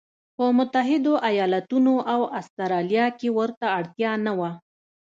په متحدو ایالتونو او اسټرالیا کې ورته اړتیا نه وه.